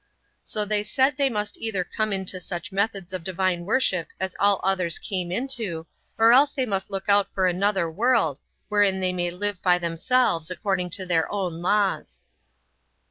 So they said they must either come into such methods of divine worship as all others came into, or else they must look out for another world, wherein they may live by themselves, according to their own laws.